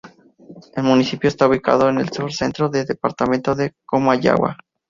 El municipio está ubicado en el sur del centro del departamento de Comayagua.